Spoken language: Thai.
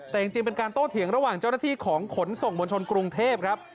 แต่จริงเป็นการโต้เถียงระหว่างเจ้าหน้าที่ของขนส่งมวลชนกรุงเทพครับ